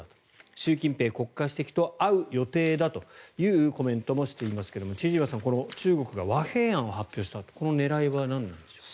習近平国家主席と会う予定だというコメントもしていますが千々岩さん、中国が和平案を発表したとこの狙いはなんでしょうか。